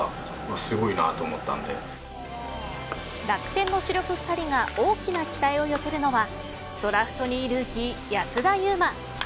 楽天の主力２人が大きな期待を寄せるのはドラフト２位ルーキー安田悠馬。